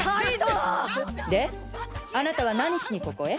であなたは何しにここへ？